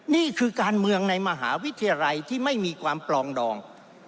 นี่คือการเมืองในมหาวิทยาลัยที่ไม่มีความปลองดอง